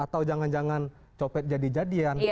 atau jangan jangan copet jadi jadian